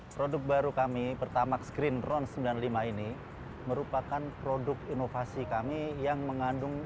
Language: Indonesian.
produk baru kami pertamax green ron sembilan puluh lima ini merupakan produk inovasi kami yang mengandung